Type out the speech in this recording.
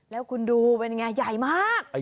แล้วคุณดูเป็นยังไงใหญ่มาก